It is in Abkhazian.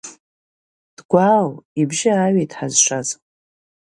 Дгәаау, ибжьы ааҩит Ҳазшаз.